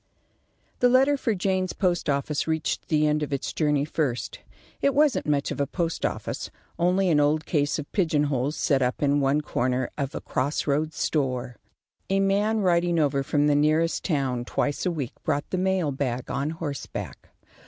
The letter for Jaynes's Post office reached the end of its journey first. It wasn't much of a post office; only an old case of pigeon holes set up in one corner of a cross roads store. A man riding over from the nearest town twice a week brought the mail bag on horseback.